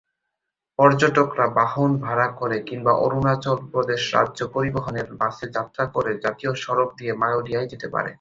পর্যটকরা বাহন ভাড়া করে কিংবা অরুণাচল প্রদেশ রাজ্য পরিবহনের বাসে যাত্রা করে জাতীয় সড়ক দিয়ে মায়োডিয়ায় যেতে পারে।